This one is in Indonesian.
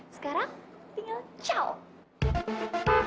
sekarang tinggal cowok